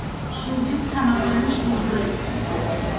ზუგდიდ სამარგალოშ გურ რე